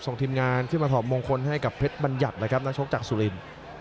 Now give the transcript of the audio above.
ส่งทีมงานขึ้นมาถอบมงคลให้กับเพชรบรรยัตร์นักชกจากซุลิน